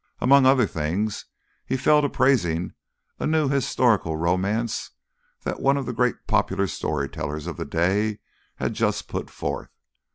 Among other things, he fell to praising a new historical romance that one of the great popular story tellers of the day had just put forth.